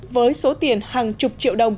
với số tiền hàng chục triệu đồng